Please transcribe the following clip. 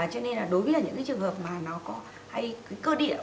cho nên là đối với là những cái trường hợp mà nó có hay cơ địa